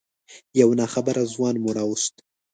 یو ناخبره ځوان مو راوست.